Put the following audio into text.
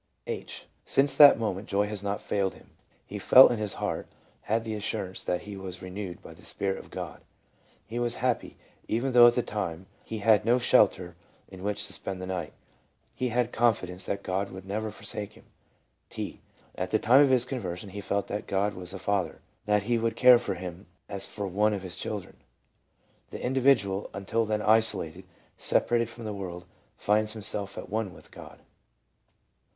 H. :" Since that moment joy has not failed him. He felt God in his heart, had the assurance that he was renewed by the Spirit of God. He was happy, even though at the time he had no shelter in which to spend the night. He had confidence that God would never forsake him." T. : "At the time of his conversion he felt that God was a Father, that He would care for him as for one of His children." The indi vidual, until then isolated, separated from the world, finds himself at one with God.